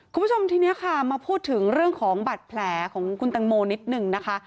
คุณผู้ชมทีนี้ค่ะมาพูดถึงเรื่องของบัตรแผลของคุณตังโมนิดหนึ่งนะคะ